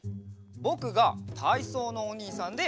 ぼくがたいそうのおにいさんで。